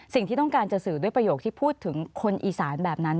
สิ่งที่ต้องการจะสื่อด้วยประโยคที่พูดถึงคนอีสานแบบนั้น